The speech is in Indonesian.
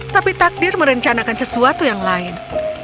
tapi takdir merencanakan sesuatu yang lain